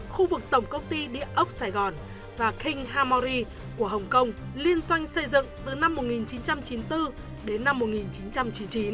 khu vực tổng công ty địa ốc sài gòn và king hamori của hồng kông liên doanh xây dựng từ năm một nghìn chín trăm chín mươi bốn đến năm một nghìn chín trăm chín mươi chín